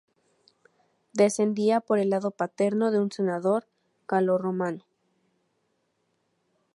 Descendía por el lado paterno de un senador galorromano.